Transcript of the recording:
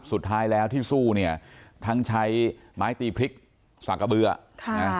สุดท้ายแล้วที่สู้เนี่ยทั้งใช้ไม้ตีพริกสากะเบื่อค่ะนะ